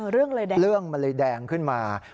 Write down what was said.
เรื่องเลยแดงเรื่องมันเลยแดงขึ้นมา